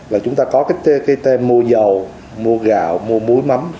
và chúng ta có cái tem mua dầu mua gạo mua muối mắm